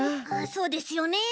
そうですよね。